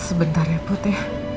sebentar ya putri